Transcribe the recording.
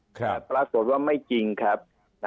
แต่ปรากฏว่าไม่จริงครับ